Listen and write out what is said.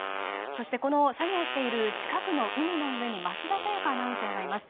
そして、この作業している近くの海の上に桝田沙也香アナウンサーがいます。